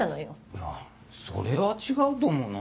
いやそれは違うと思うなぁ。